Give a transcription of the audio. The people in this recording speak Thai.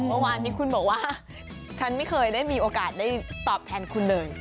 เมื่อวานนี้คุณบอกว่าฉันไม่เคยได้มีโอกาสได้ตอบแทนคุณเลย